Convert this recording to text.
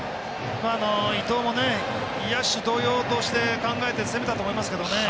伊藤も野手同様として考えて攻めたと思いますけどね。